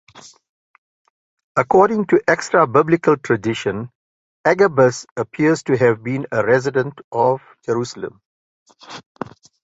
According to extra-biblical tradition, Agabus appears to have been a resident of Jerusalem.